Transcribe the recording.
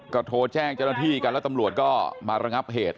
ก็โทรแจ้งเจ้าหน้าที่กันแล้วตำรวจก็มาระงับเหตุ